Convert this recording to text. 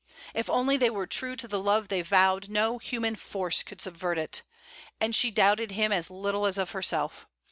If only they were true to the love they vowed, no human force could subvert it: and she doubted him as little as of herself.